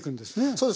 そうです。